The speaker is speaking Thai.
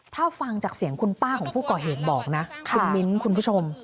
ถ้าฟังจากเสียงคุณป้าของผู้ก่อเหตุบอกนะคุณมิ้นคุณผู้ชม